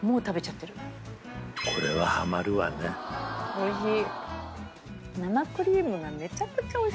おいしい。